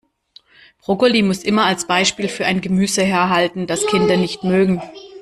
Brokkoli muss immer als Beispiel für ein Gemüse herhalten, das Kinder nicht mögen.